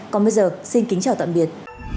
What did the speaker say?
còn bây giờ xin kính chào tạm biệt